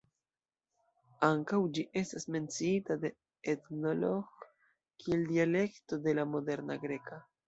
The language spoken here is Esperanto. Ankaŭ ĝi estas menciita de "Ethnologue" kiel dialekto de la moderna greka.